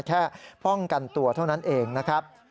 แค่ป้องกันตัวเท่านั้นเองนะครับ